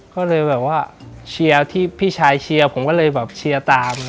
ก็เลยแบบว่าพี่ชายเชียร์ผมก็เลยเชียร์ตาม